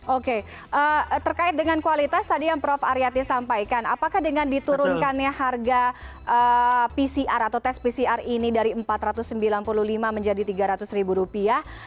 oke terkait dengan kualitas tadi yang prof aryati sampaikan apakah dengan diturunkannya harga pcr atau tes pcr ini dari empat ratus sembilan puluh lima menjadi tiga ratus ribu rupiah